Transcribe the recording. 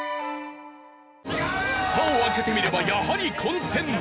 フタを開けてみればやはり混戦！